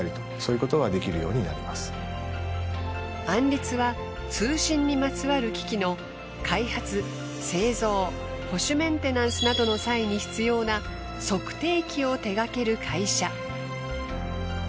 アンリツは通信にまつわる機器の開発製造保守メンテナンスなどの際に必要な測定器を手がける会社。